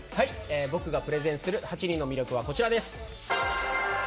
僕がプレゼンする８人の魅力です。